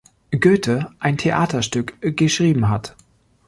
Goethe ein Theaterstück geschrieben hat.